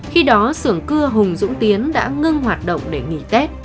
khi đó sưởng cưa hùng dũng tiến đã ngưng hoạt động để nghỉ tết